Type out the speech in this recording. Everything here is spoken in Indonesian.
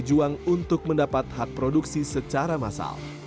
berjuang untuk mendapat hak produksi secara massal